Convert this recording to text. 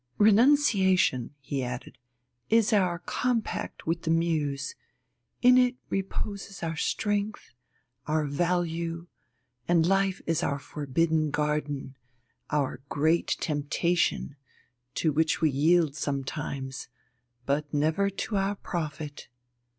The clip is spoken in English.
"Renunciation," he added, "is our compact with the Muse, in it reposes our strength, our value; and life is our forbidden garden, our great temptation, to which we yield sometimes, but never to our profit."